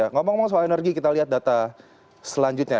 ngomong ngomong soal energi kita lihat data selanjutnya